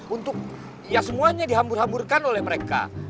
untuk ya semuanya dihambur hamburkan oleh mereka